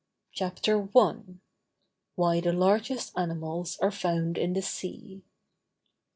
CHAPTER I. WHY THE LARGEST ANIMALS ARE FOUND IN THE SEA.